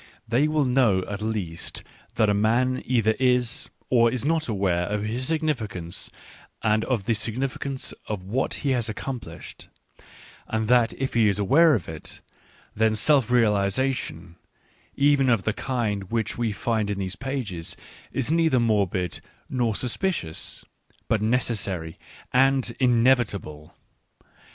They will know, at least, that a man either is, or is not, aware of his significance and of the significance of what he has accomplished, and that if he is aware of it, then self realisation, even of the kind which we find in these pages, is neither morbid nor suspicious, but necessary and inevitable.